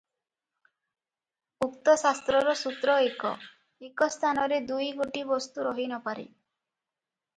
ଉକ୍ତ ଶାସ୍ତ୍ରର ସୂତ୍ର ଏକ-ଏକ ସ୍ଥାନରେ ଦୁଇ ଗୋଟି ବସ୍ତୁ ରହି ନପାରେ ।